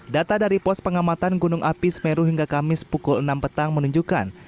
data dari pos pengamatan gunung api semeru hingga kamis pukul enam petang menunjukkan